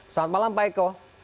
selamat malam pak eko